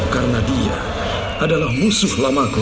karena dia adalah musuh lamaku